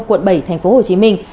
quận bảy thành phố hồ chí minh